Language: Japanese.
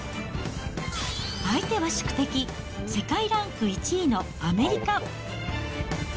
相手は宿敵、世界ランク１位のアメリカ。